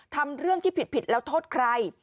ทำเรื่องที่ผิดแล้วโทษใคร